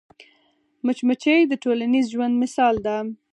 مچمچۍ د ټولنیز ژوند مثال ده